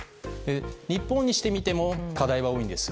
日本にしてみても課題は多いんです。